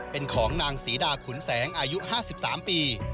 เป็นของนางศรีดาขุนแสงอายุ๕๓ปี